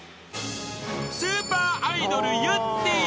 ［スーパーアイドルゆってぃ］